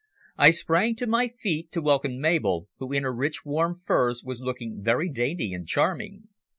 I sprang to my feet to welcome Mabel, who in her rich warm furs was looking very dainty and charming.